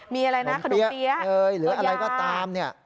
มีอะไรนะขนมเตี๊ยขนมเตี๊ยหรืออะไรก็ตาม